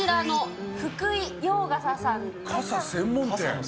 傘専門店？